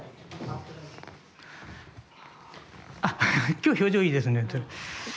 今日表情いいですね。